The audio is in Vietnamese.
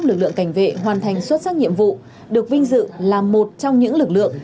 lực lượng cảnh vệ hoàn thành xuất sắc nhiệm vụ được vinh dự là một trong những lực lượng